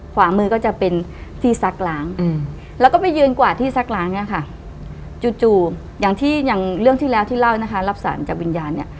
ขวามือก็จะเป็นที่ซักล้างแล้วก็ไปยืนกวาดที่ซักล้างเนี่ยค่ะจู่อย่างที่อย่างเรื่องที่แล้วที่เล่านะคะรับสารจากวิญญาณเนี่ย